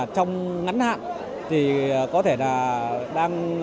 trong ngắn hạn có thể là đang